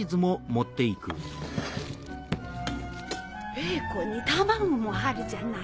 ベーコンに卵もあるじゃない。